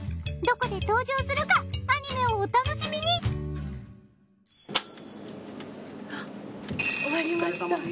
どこで登場するかアニメをお楽しみにあっ終わりました。